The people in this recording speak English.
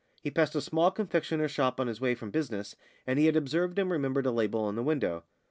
He passed a small confectioner's shop on his way from business, and he had observed and remembered a label in the window.